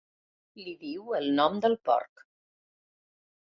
Li diu el nom del porc.